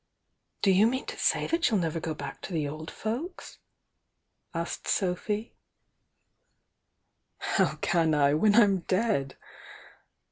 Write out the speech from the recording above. "Do you mean to say that you'll never go back to the old folks?" >. od Sophy. "How can I, win I'm dead!"